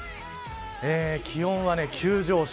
気温は急上昇。